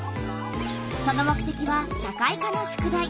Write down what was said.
その目てきは社会科の宿題。